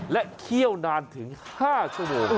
และเคี่ยวนานถึง๕ชั่วโมง